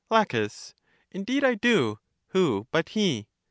La, Indeed I do: who but he?